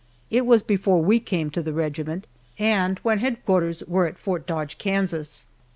It was before we came to the regiment, and when headquarters were at Fort Dodge, Kansas.